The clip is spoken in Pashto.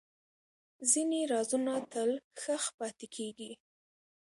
ځینې رازونه تل ښخ پاتې کېږي.